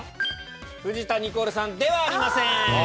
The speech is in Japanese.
藤田ニコルさんではありません。